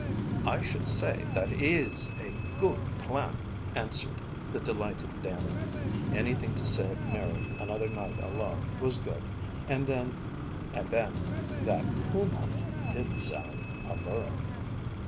"I should say that IS a guid plan," answered the delighted Dannie. Anything to save Mary another night alone was good, and then that coon hunt did sound alluring.